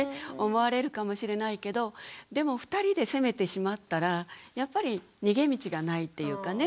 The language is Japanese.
思われるかもしれないけどでも２人で責めてしまったらやっぱり逃げ道がないっていうかね